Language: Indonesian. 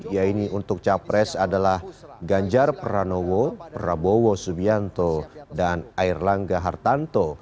yaitu untuk capres adalah ganjar pranowo prabowo subianto dan airlangga hartanto